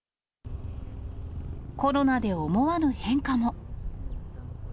コロナで思わぬ変化も。